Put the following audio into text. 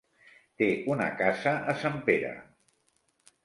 Té una casa a Sempere.